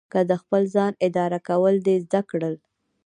که د خپل ځان اداره کول دې زده کړل.